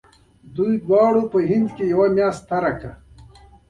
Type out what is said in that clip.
دوی دواړو په هند کې یوه میاشت تېره کړه.